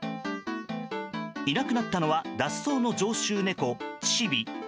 いなくなったのは脱走の常習猫、チビ。